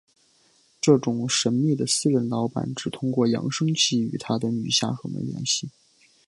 这位神秘的私人老板只通过扬声器与他的女下属们联系。